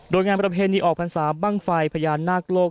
โดยงานประเพณีออกพรรษาบ้างไฟพญานาคโลก